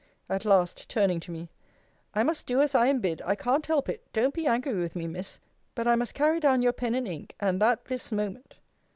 At last, turning to me I must do as I am bid. I can't help it don't be angry with me, Miss. But I must carry down your pen and ink: and that this moment.